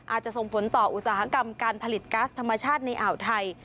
อาจจะส่งผลต่ออุตสาหกรรมการผลิตก๊าซธรรมชาติในอ่าวไทย